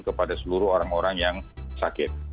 kepada seluruh orang orang yang sakit